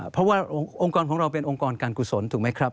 เพราะว่าองค์กรของเราเป็นองค์กรการกุศลถูกไหมครับ